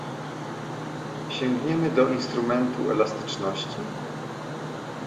Sięgniemy do instrumentu elastyczności?